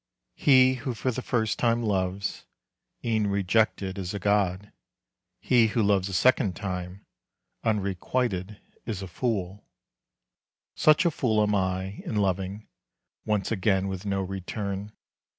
He who for the first time loves, E'en rejected, is a god. He who loves a second time, Unrequited, is a fool. Such a fool am I, in loving Once again with no return.